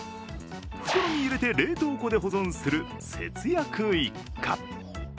袋に入れて冷凍庫で保存する節約一家。